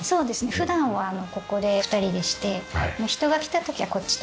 普段はここで２人でして人が来た時はこっちとか。